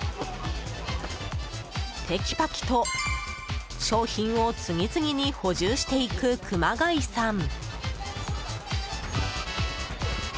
テキパキと商品を次々に補充していく熊谷さん。